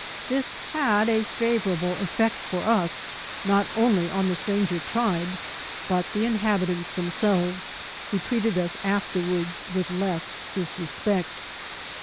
This had a favourable effect for us, not only on the slranger tribrs, but the inhabitants themselves, who treated us after wards with less disrespect.